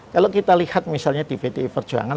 kalau kita lihat misalnya di pdi perjuangan